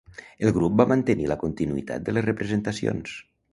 El grup va mantenir la continuïtat de les representacions.